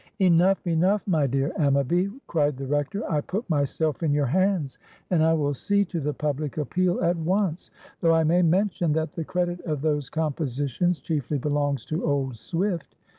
"Enough, enough, my dear Ammaby!" cried the Rector; "I put myself in your hands, and I will see to the public appeal at once; though I may mention that the credit of those compositions chiefly belongs to old Swift.